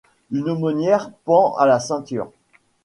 Une aumônière pend à la ceinture.